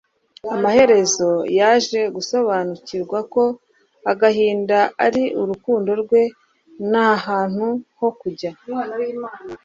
Amaherezo yaje gusobanukirwa ko agahinda ari urukundo rwe ntahantu ho kujya.